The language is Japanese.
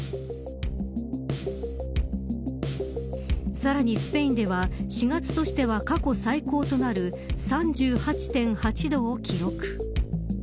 さらにスペインでは４月としては過去最高となる３８．８度を記録。